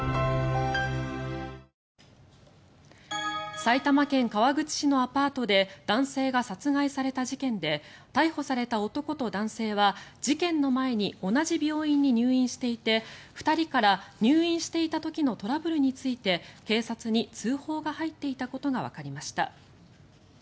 埼玉県川口市のアパートで男性が殺害された事件で逮捕された男と男性は事件の前に同じ病院に入院していて２人から入院していた時のトラブルについて警察に通報が入っていたことがわかりました。